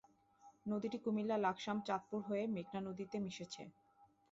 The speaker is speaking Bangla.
নদীটি কুমিল্লা-লাকসাম চাঁদপুর হয়ে মেঘনা নদীতে মিশেছে।